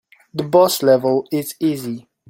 The boss level is easy.